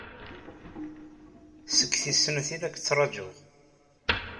Seg tis snat ay la k-ttṛajuɣ.